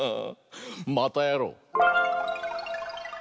またやろう！